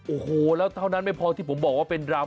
โอ้โหแล้วเท่านั้นไม่พอที่ผมบอกว่าเป็นดราม